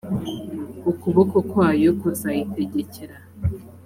ukuboko kwayo kuzayitegekera